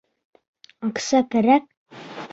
Аҡса кәрәк.